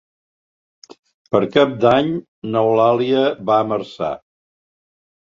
Per Cap d'Any n'Eulàlia va a Marçà.